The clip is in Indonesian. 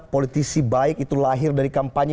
politisi baik itu lahir dari kampanye